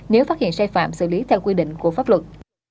nếu phát hiện sai phạm xử lý theo quy định của pháp luật